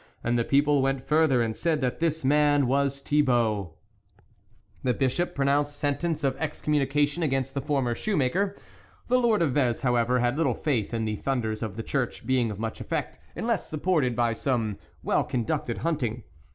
And the people went further and said that this man was Thibault. The Bishop pronounced sentence of ex communication against the former shoe maker. The Lord of Vez, however, had little faith in the thunders of the Church being of much effect, unless supported by some well conducted hunting.